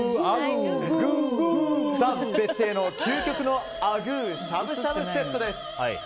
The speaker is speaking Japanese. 燦別邸の究極のあぐーしゃぶしゃぶセットです。